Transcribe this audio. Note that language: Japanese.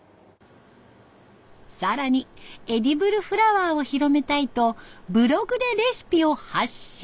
更にエディブルフラワーを広めたいとブログでレシピを発信。